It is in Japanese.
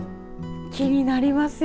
気なりますよ。